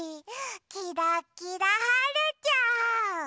キラキラはるちゃん！